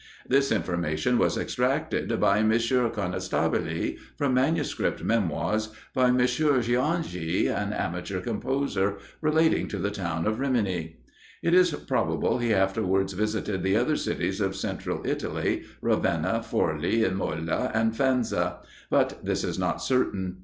This information was extracted by M. Conestabile, from manuscript memoirs by M. Giangi, an amateur composer, relating to the town of Rimini. It is probable he afterwards visited the other cities of Central Italy, Ravenna, Forli, Imola, and Faenza; but this is not certain.